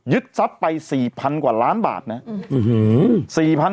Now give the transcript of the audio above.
ยึดทรัพย์ไป๔๐๐๐กว่าล้านบาทนะครับ